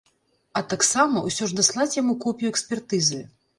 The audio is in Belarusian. А таксама ўсё ж даслаць яму копію экспертызы.